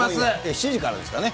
７時からですかね。